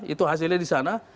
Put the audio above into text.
itu hasilnya di sana